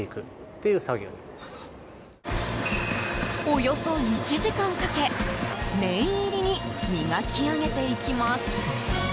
およそ１時間かけ念入りに磨き上げていきます。